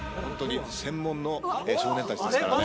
専門の少年たちですからね。